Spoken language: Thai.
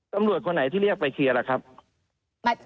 ตำรวจคนไหนที่เรียกไปเคลียร์ล่ะครับ